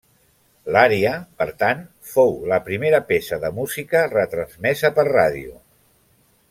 L'ària, per tant, fou la primera peça de música retransmesa per ràdio.